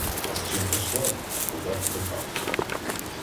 А з чим послав, то дав приказ.